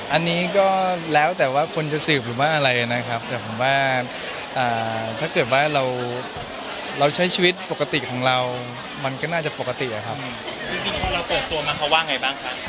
อันนี้ก็แล้วแต่ว่าคนจะสืบหรือว่าอะไรนะครับแต่ผมว่าถ้าเกิดว่าเราใช้ชีวิตปกติของเรามันก็น่าจะปกตินะครับ